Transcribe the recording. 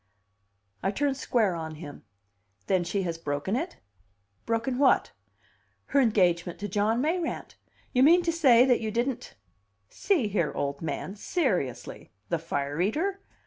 I turned square on him. "Then she has broken it?" "Broken what?" "Her engagement to John Mayrant. You mean to say that you didn't ?" "See here, old man. Seriously. The fire eater?"